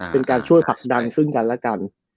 เป็นการช่วยผลักดันซึ่งกันและกัน